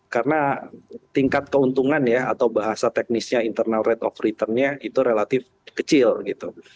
karena tingkat keuntungan ya atau bahasa teknisnya internal rate of returnnya itu relatif kecil gitu